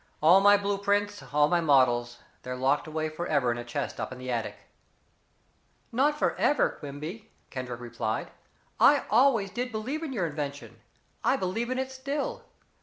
All my blue prints, all my models they're locked away forever in a chest up in the attic." "Not forever, Quimby," Kendrick replied. "I always did believe in your invention I believe in it still.